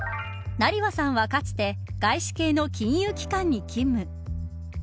成羽さんは、かつて外資系の金融機関に勤務。